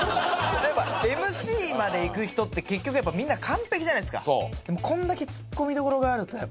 やっぱＭＣまでいく人って結局やっぱみんな完璧じゃないっすか。